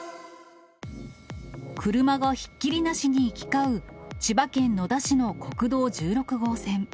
車がひっきりなしに行き交う千葉県野田市の国道１６号線。